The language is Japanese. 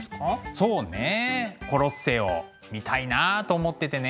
そうねコロッセオ見たいなあと思っててね。